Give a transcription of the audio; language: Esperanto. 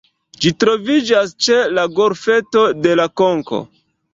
Ĝi troviĝas ĉe la Golfeto de La Konko.